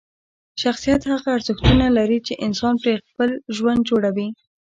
شخصیت هغه ارزښتونه لري چې انسان پرې خپل ژوند جوړوي.